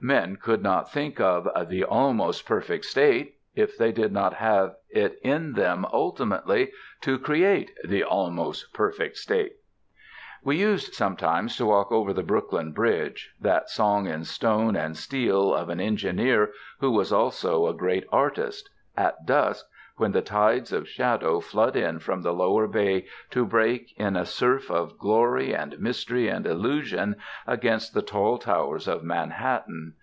Men could not think of THE ALMOST PERFECT STATE if they did not have it in them ultimately to create THE ALMOST PERFECT STATE. We used sometimes to walk over the Brooklyn Bridge, that song in stone and steel of an engineer who was also a great artist, at dusk, when the tides of shadow flood in from the lower bay to break in a surf of glory and mystery and illusion against the tall towers of Manhattan.